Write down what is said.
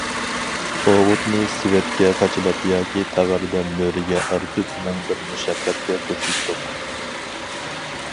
ئوغۇتنى سېۋەتكە قاچىلاپ ياكى تاغاردا مۈرىگە ئارتىپ، مىڭبىر مۇشەققەتتە توشۇيتتۇق.